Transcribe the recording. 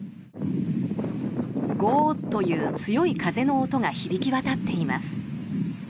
ゴーという強い風の音が響き渡っています。